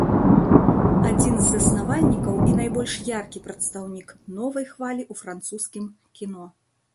Адзін з заснавальнікаў і найбольш яркі прадстаўнік новай хвалі ў французскім кіно.